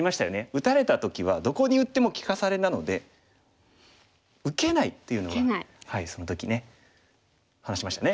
打たれた時はどこに打っても利かされなので受けないというのがその時ね話しましたね。